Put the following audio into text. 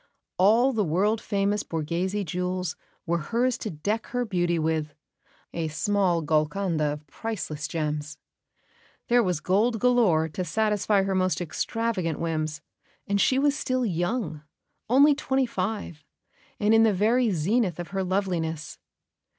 All the world famous Borghese jewels were hers to deck her beauty with a small Golconda of priceless gems; there was gold galore to satisfy her most extravagant whims; and she was still young only twenty five and in the very zenith of her loveliness.